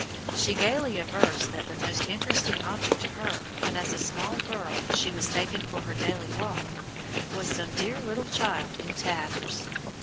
She gayly avers that the most interesting object to her, when as a small girl she was taken for her daily walk, was "some dear little child in tatters."